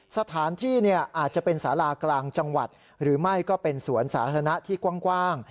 สถานที่อาจจะเป็นสารากลางจังหวัดหรือไม่ก็เป็นสวนสาธารณะที่กว้าง